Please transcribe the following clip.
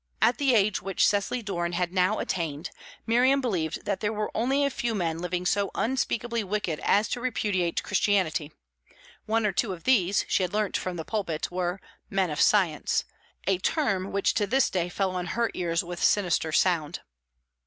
At the age which Cecily Doran had now attained, Miriam believed that there were only a few men living so unspeakably wicked as to repudiate Christianity; one or two of these, she had learnt from the pulpit, were "men of science," a term which to this day fell on her ears with sinister sound.